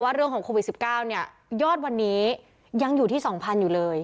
เรื่องของโควิด๑๙เนี่ยยอดวันนี้ยังอยู่ที่๒๐๐๐อยู่เลย